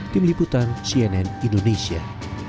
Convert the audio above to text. tim liputan cnn indonesia